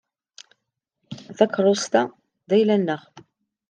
Takeṛṛust-a d ayla-nneɣ.